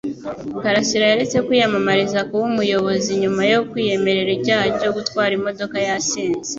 Karasira yaretse kwiyamamariza kuba umuyobozi nyuma yo kwiyemerera icyaha cyo gutwara imodoka yasinze.